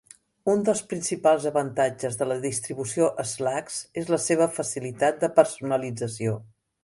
Un dels principals avantatges de la distribució Slax és la seva facilitat de personalització.